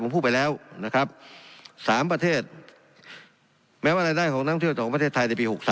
ผมพูดไปแล้วนะครับ๓ประเทศแม้ว่ารายได้ของท่องเที่ยวจากของประเทศไทยในปี๖๓